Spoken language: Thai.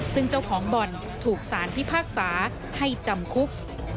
ซึ่งเจ้าของบ่อนถูกสารพิพากษาให้จำคุก